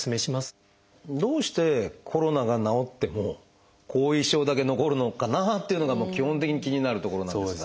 どうしてコロナが治っても後遺症だけ残るのかなっていうのが基本的に気になるところなんですが。